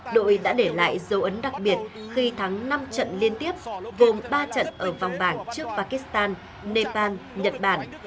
đội đã để lại dấu ấn đặc biệt khi thắng năm trận liên tiếp gồm ba trận ở vòng bảng trước pakistan nepal nhật bản